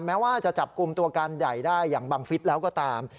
แม้ว่าจะจับกลุ่มตัวการใหญ่ได้อย่างบังฟิศแล้วก็ตาม